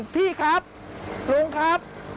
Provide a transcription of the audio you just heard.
พี่ครับลุงครับ